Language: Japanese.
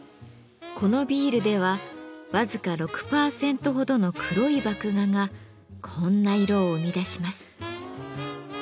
このビールではわずか６％ほどの黒い麦芽がこんな色を生み出します。